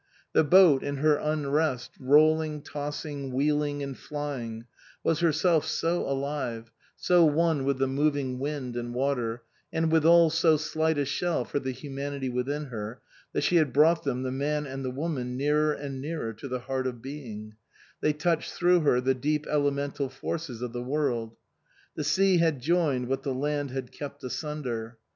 The boat, in her unrest, rolling, tossing, wheeling and flying, was herself so alive, so one with the moving wind and water, and withal so slight a shell for the humanity within her, that she had brought them, the man and the woman, nearer and nearer to the heart of being ; they touched through her the deep elemental forces of the world. The sea had joined what the land had kept asunder.